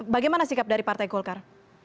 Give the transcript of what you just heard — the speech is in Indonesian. bagaimana sikap dari partai golkar